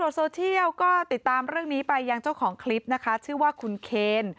โซเชียลก็ติดตามเรื่องนี้ไปยังเจ้าของคลิปนะคะชื่อว่าคุณเคน